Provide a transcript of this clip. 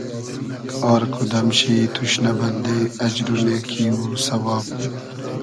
آر کودئم شی توشنۂ بئلدې اجر و نېکی و سئواب